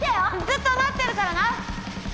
ずっと待ってるからな！